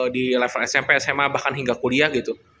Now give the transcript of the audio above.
di level smp sma bahkan hingga kuliah gitu